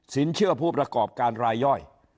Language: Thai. เชื่อผู้ประกอบการรายย่อย